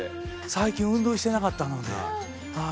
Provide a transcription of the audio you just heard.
最近運動してなかったので。